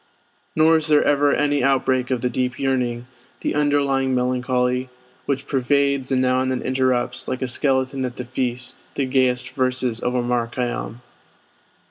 Nor is there ever any outbreak of the deep yearning, the underlying melancholy, which pervades and now and then interrupts, like a skeleton at the feast, the gayest verses of Omar Khayyam.